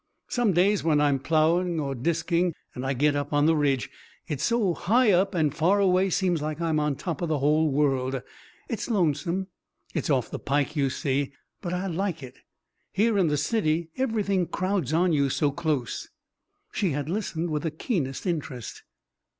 Some days when I'm ploughing or disking and I get up on the ridge, it's so high up and far away seems like I'm on top the whole world. It's lonesome it's off the pike, you see but I like it. Here in the city everything crowds on you so close." She had listened with the keenest interest.